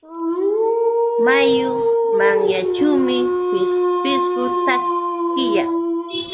Mayu manyanćhuumi pishqu takiyan.